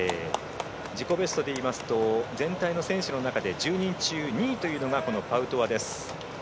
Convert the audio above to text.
自己ベストで言いますと全体の選手の中で１２人中２位というこのパウトワです。